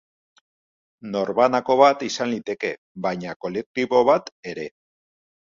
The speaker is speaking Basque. Norbanako bat izan liteke, baita kolektibo bat ere.